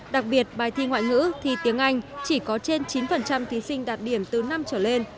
đặc biệt bài thi ngoại ngữ thi tiếng anh chỉ có trên chín thí sinh đạt điểm từ năm trở lên